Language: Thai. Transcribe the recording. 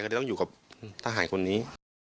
จะต้องอยู่กับทหารคนนี้